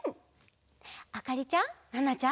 あかりちゃんななちゃん。